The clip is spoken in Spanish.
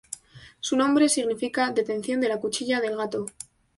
Su nombre significa:Detención de la cuchilla del gato.